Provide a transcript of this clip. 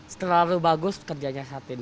setelah lu bagus kerjanya saat ini